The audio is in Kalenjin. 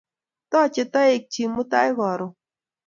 Tochei toek chik mutai karon